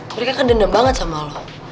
mereka kan dendam banget sama lo